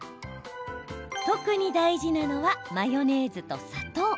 特に大事なのはマヨネーズと砂糖。